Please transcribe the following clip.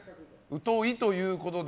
疎いということで。